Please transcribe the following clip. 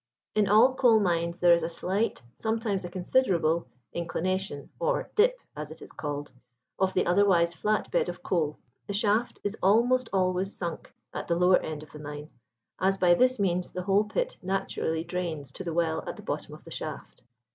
In all coal mines there is a slight, sometimes a considerable, inclination, or "dip" as it is called, of the otherwise flat bed of coal. The shaft is almost always sunk at the lower end of the mine, as by this means the whole pit naturally drains to the well at the bottom of the shaft.